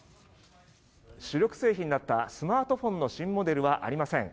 主力製品だったスマートフォンの新モデルはありません。